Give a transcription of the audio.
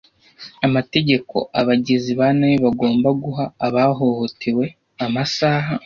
amategeko abagizi ba nabi bagomba guha abahohotewe amasaha